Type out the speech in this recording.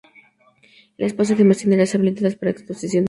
El espacio además tiene áreas habilitadas para exposiciones.